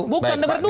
bukan dengar dulu